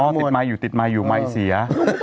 ติดไมค์อยู่ติดไมคอยู่ไมค์เสีย